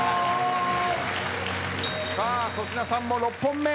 さあ粗品さんも６本目。